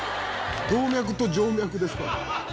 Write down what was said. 動脈と静脈ですか？